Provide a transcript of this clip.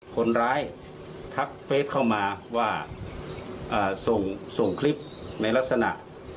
ทักเฟสเข้ามาว่าส่งส่งคลิปในลักษณะ